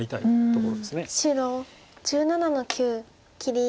白１７の九切り。